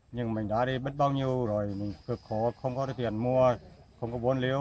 nhưng mình đã biết bao nhiêu rồi mình cực khổ không có tiền mua không có vốn liệu